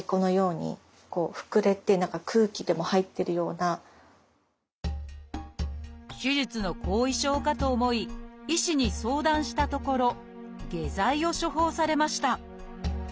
さらに手術の後遺症かと思い医師に相談したところ下剤を処方されました。